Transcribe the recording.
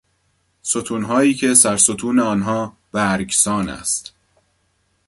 ستونهایی که سرستون آنها برگسان است.